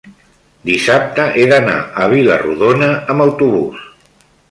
dissabte he d'anar a Vila-rodona amb autobús.